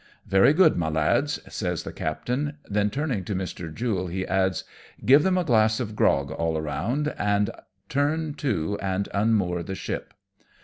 "Very good, my lads," says the captain ; then, turning to Mr. Jule, he adds, " Give them a glass of grog all round, and turn to and unmoor ship."